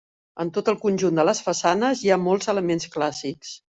En tot el conjunt de les façanes hi ha molts elements clàssics.